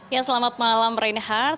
ya selamat malam reinhard